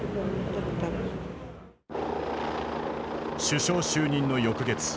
首相就任の翌月。